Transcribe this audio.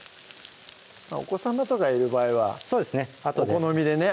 お子さまとかいる場合はお好みでね